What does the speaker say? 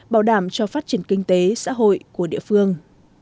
bảo đảm cho phát triển kinh tế xã hội của địa phương